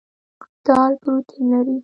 دال پروټین لري.